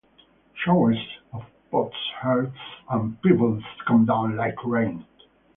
Showers of potsherds and pebbles come down like rain.